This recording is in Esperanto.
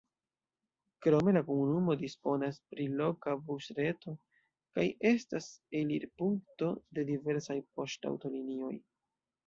Krome la komunumo disponas pri loka busreto kaj estas elirpunkto de diversaj poŝtaŭtolinioj.